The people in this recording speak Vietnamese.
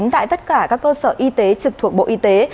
tại tất cả các cơ sở y tế trực thuộc bộ y tế